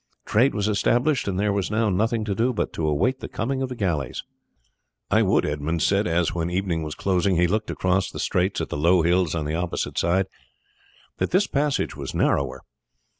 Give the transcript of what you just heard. Trade was established, and there was now nothing to do but to await the coming of the galleys. "I would," Edmund said, as, when evening was closing, he looked across the straits at the low hills on the opposite side, "that this passage was narrower.